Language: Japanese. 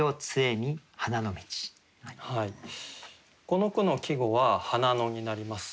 この句の季語は「花野」になります。